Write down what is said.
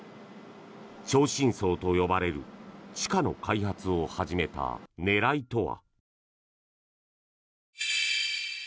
超深層と呼ばれる地下の開発を始めた狙いとは。